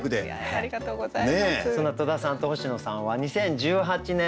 ありがとうございます。